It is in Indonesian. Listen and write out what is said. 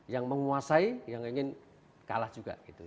yang menguasai yang ingin kalah juga gitu